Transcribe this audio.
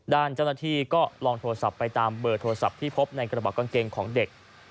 ด้านเจ้าหน้าที่ก็ลองโทรศัพท์ไปตามเบอร์โทรศัพท์ที่พบในกระเป๋ากางเกงของเด็ก